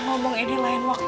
mau ada ada adri